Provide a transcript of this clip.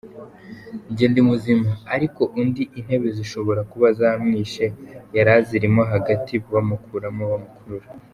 Njye ndi muzima ariko undi intebe zishobora kuba zamwishe yarazirimo hagati bamukuramo bamukurura.